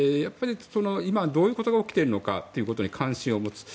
今どういうことが起きているのか関心を持つ。